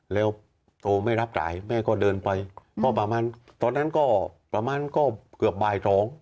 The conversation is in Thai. แล้วโตไม่รับสายแม่ก็เดินไปก็ประมาณตอนนั้นก็ประมาณก็เกือบบ่ายท้อง